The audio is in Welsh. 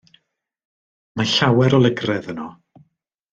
Mae llawer o lygredd yno.